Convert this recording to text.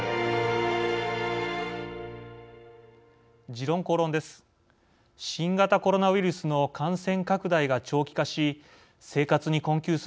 「時論公論」です。